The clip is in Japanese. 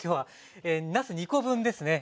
なす２コ分ですね